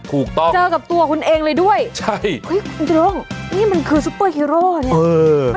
ถูกต้องเจอกับตัวคุณเองเลยด้วยใช่หุ้ยนี่มันคือซูเปอร์ฮีโร่เนี้ยเออ